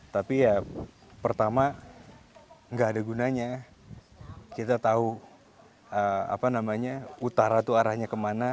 tapi ya pertama gak ada gunanya kita tahu apa namanya utara tuh arahnya kemana